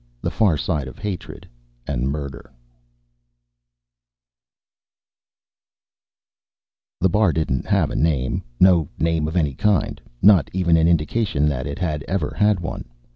the far side of hatred and murder!_ Illustrated by DICK FRANCIS The bar didn't have a name. No name of any kind. Not even an indication that it had ever had one.